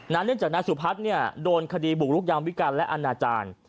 เนื่องจากนายสุพัฒน์โดนคดีบุกรุกยามวิการและอนาจารย์